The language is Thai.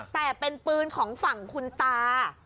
แต่เป็นปืนของฝั่งคุณตา